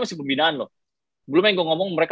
masih pembinaan loh belum yang gue ngomong mereka